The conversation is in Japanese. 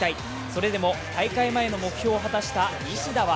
それでも大会前の目標を果たした西田は